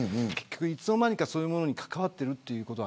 いつの間にか、そういうものに関わっていること